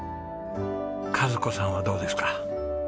和子さんはどうですか？